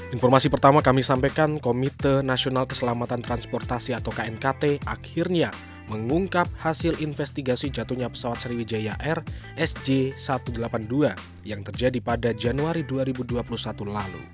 informasi pertama kami sampaikan komite nasional keselamatan transportasi atau knkt akhirnya mengungkap hasil investigasi jatuhnya pesawat sriwijaya air sj satu ratus delapan puluh dua yang terjadi pada januari dua ribu dua puluh satu lalu